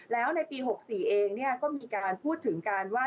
แล้วในปี๖๔เองก็มีการพูดถึงกันว่า